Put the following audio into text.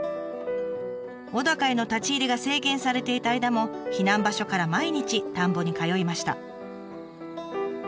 小高への立ち入りが制限されていた間も避難場所から毎日田んぼに通いました。